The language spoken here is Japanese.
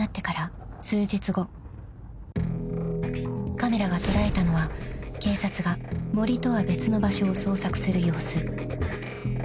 ［カメラが捉えたのは警察が森とは別の場所を捜索する様子］